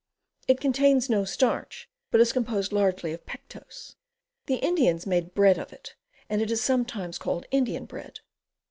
It contains no starch, but is composed largely of pectose. The Indians made bread of it, and it is sometimes caUed Indian Bread.